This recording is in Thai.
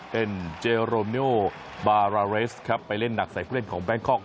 เป็นเจโรมิโนบาราเรสครับไปเล่นหนักใส่ผู้เล่นของแบงคอก